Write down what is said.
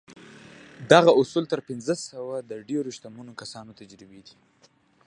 دغه اصول تر پينځه سوه د ډېرو شتمنو کسانو تجربې دي.